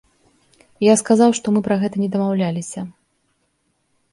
Я сказаў, што мы пра гэта не дамаўляліся.